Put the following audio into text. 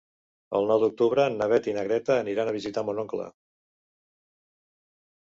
El nou d'octubre na Beth i na Greta aniran a visitar mon oncle.